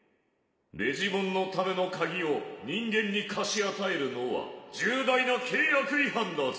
・デジモンのための鍵を人間に貸し与えるのは重大な契約違反だぞ！